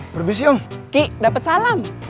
kiki dapet salam